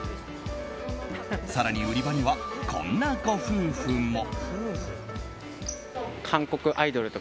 更に売り場には、こんなご夫婦も。